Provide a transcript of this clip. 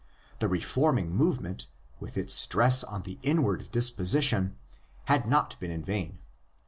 The reforming movement, with its stress on the inward disposition, had not been in vain.